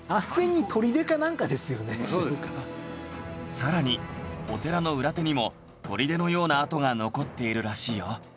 さらにお寺の裏手にも砦のような跡が残っているらしいよ